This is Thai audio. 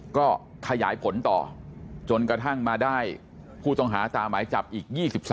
ก็ขยายผลต่อจนกระทั่งมาได้ผู้ต้องหาตามหมายจับอีก๒๓